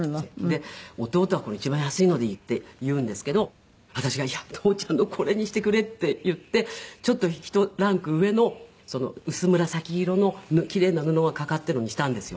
で弟はこの一番安いのでいいって言うんですけど私が「いや父ちゃんのこれにしてくれ」って言ってちょっとひとランク上の薄紫色の奇麗な布がかかっているのにしたんですよ。